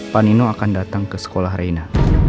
pak nino akan datang ke sekolah reina